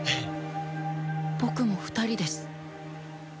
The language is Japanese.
僕も２人です。